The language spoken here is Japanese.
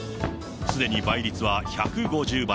すでに倍率は１５０倍。